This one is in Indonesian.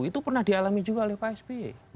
itu pernah dialami juga oleh pak sby